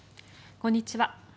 こんにちは。